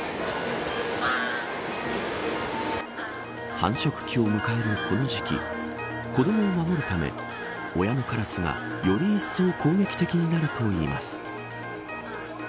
繁殖期を迎えるこの時期子どもを守るため親のカラスが、より一層攻撃的になるといいます。